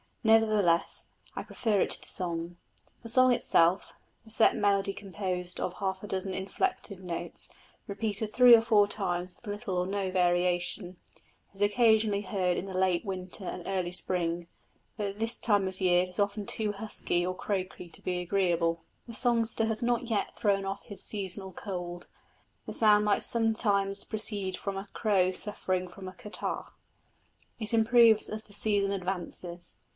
Nevertheless I prefer it to the song. The song itself the set melody composed of half a dozen inflected notes, repeated three or four times with little or no variation is occasionally heard in the late winter and early spring, but at this time of the year it is often too husky or croaky to be agreeable. The songster has not yet thrown off his seasonal cold; the sound might sometimes proceed from a crow suffering from a catarrh. It improves as the season advances.